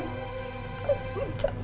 aku mau cuci tangan